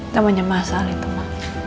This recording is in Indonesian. temennya mas al itu ma